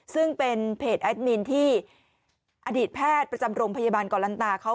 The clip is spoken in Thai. ซึ่งเป็นเพจแอดมินที่อดีตแพทย์ประจำโรงพยาบาลเกาะลันตาเขา